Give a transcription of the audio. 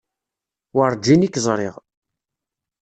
Werǧin i k-ẓriɣ.